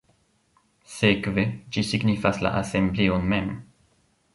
Sekve, ĝi signifas la asembleon mem.